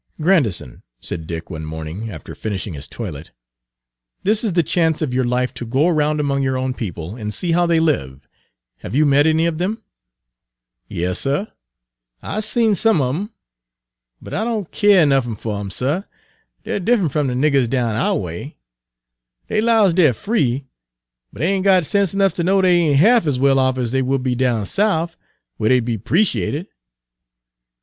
"Grandison," said Dick one morning, after finishing his toilet, "this is the chance of your life to go around among your own people and see how they live. Have you met any of them?" "Yas, suh, I's seen some of 'em. But I don' keer nuffin fer 'em, suh, Dey 're diffe'nt f'm de niggers down ou' way. Dey 'lows dey 're free, but dey ain' got sense 'nuff ter know dey ain' half as well off as dey would be down Souf, whar dey 'd be 'preciated."